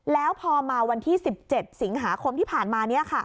แล้วพอมาวันที่๑๗สิงหาคมที่ผ่านมา